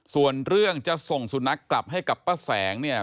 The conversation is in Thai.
ส่วนเรื่องจะส่งสุนัขกลับให้กับป้าแสงเนี่ย